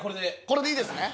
これでいいですね？